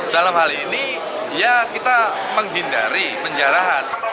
dalam hal ini ya kita menghindari penjarahan